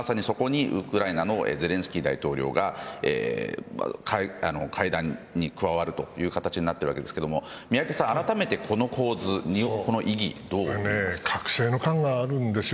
まさにそこにウクライナのゼレンスキー大統領が会談に加わるという形になっているわけですが宮家さん、あらためてこの構図隔世の感があるんですよ。